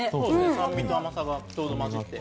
酸味と甘さがちょうど混じって。